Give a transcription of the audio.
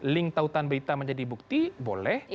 link tautan berita menjadi bukti boleh